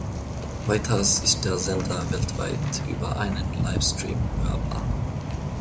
Weiters ist der Sender weltweit über einen Live-Stream hörbar.